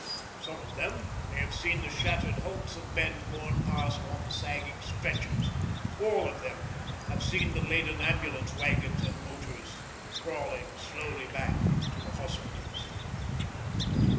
Some of them may have seen the shattered hulks of men borne past on the sagging stretchers; all of them have seen the laden ambulance wagons and motors crawling slowly back to the hospitals.